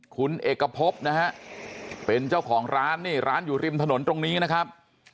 คุณเอกพบนะฮะเป็นเจ้าของร้านนี่ร้านอยู่ริมถนนตรงนี้นะครับ